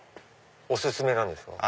お薦めなんですか？